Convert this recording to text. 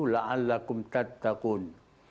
la'an lakum tat takun